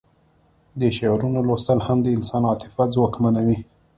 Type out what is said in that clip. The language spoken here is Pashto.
د شعرونو لوستل هم د انسان عاطفه ځواکمنوي